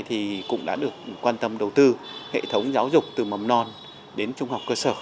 thì cũng đã được quan tâm đầu tư hệ thống giáo dục từ mầm non đến trung học cơ sở